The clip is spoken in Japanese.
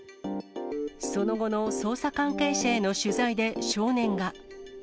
その後の捜査関係者への取材で少年が。